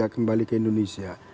kembali ke indonesia